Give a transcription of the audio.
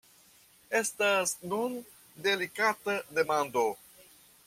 Estas nun delikata demando.